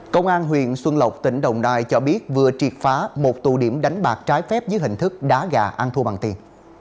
công an huyện xuân lộc tỉnh đồng nai cho biết vừa triệt phá một tụ điểm đánh bạc trái phép dưới hình thức đá gà ăn thua bằng tiền